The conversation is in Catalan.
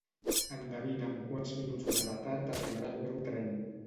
Endevina amb quants minuts de retard arribarà el meu tren